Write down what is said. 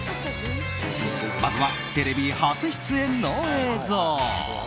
まずはテレビ初出演の映像。